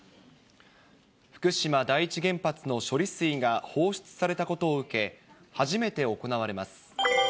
福島第一原発の処理水が放出されたことを受け、初めて行われます。